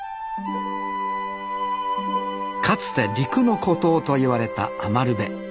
かつて陸の孤島といわれた余部。